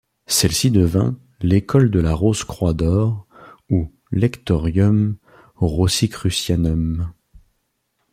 Celle-ci devint l’École de la Rose-Croix d’Or ou Lectorium Rosicrucianum.